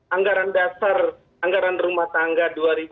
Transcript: anggaran dasar anggaran rumah tangga dua ribu dua puluh